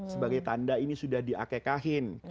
sebagai tanda ini sudah di akekahin